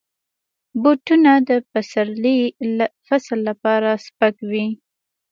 بوټونه د پسرلي فصل لپاره سپک وي.